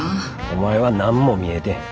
お前は何も見えてへん。